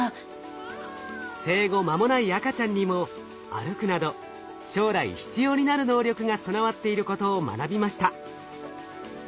生後まもない赤ちゃんにも歩くなど将来必要になる能力が備わっていることを学びました。